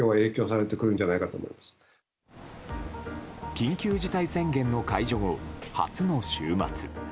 緊急事態宣言の解除後初の週末。